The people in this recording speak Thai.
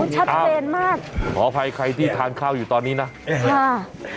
ชัดเจนมากขออภัยใครที่ทานข้าวอยู่ตอนนี้นะค่ะ